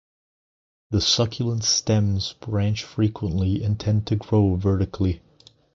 The succulent stems branch frequently and tend to grow vertically.